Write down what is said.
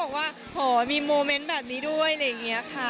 มีความชุดชอบแบบนี้ด้วย